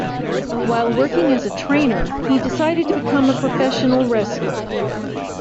While working as a trainer, he decided to become a professional wrestler.